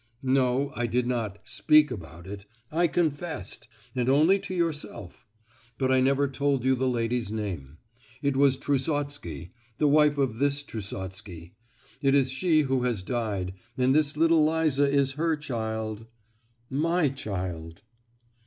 "No—I did not 'speak about it,' I confessed, and only to yourself; but I never told you the lady's name. It was Trusotsky, the wife of this Trusotsky; it is she who has died, and this little Liza is her child—my child!"